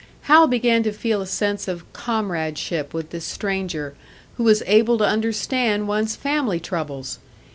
Hal began to feel a sense of comradeship with this stranger, who was able to understand one's family troubles!